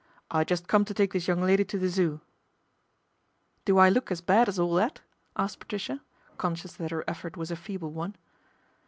" I just come to take this young lady to the Zoo." " Do I look as bad as all that ?" asked Patricia, conscious that her effort was a feeble one.